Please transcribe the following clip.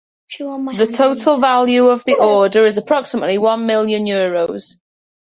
The total value of the order is approximately one million euros.